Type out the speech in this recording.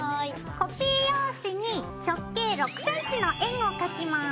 コピー用紙に直径６ｃｍの円を描きます。